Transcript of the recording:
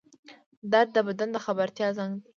درد د بدن د خبرتیا زنګ دی